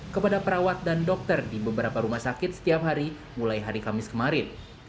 kepada perawat dan dokter di beberapa rumah sakit setiap hari mulai hari kamis kemarin